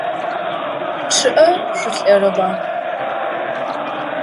ЧъыӀэ шъулӀэрэба?